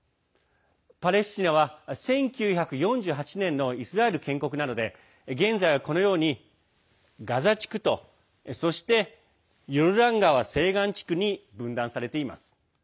パレスチナは、１９４８年のイスラエル建国などで現在は、このようにガザ地区とそしてヨルダン川西岸地区に分断されています。